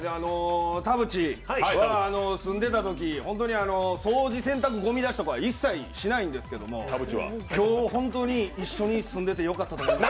田渕は住んでたとき、掃除、洗濯、ごみ出しは一切しないんですけど、今日、ホントに一緒に住んでてよかったと思いました。